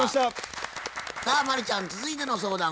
さあ真理ちゃん続いての相談は？